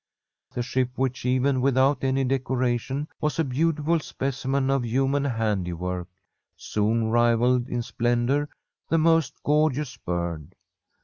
The ship, which, even without any decoration, was a beautiful specimen of human handiwork, soon rivalled in splendour the most gorgeous bird.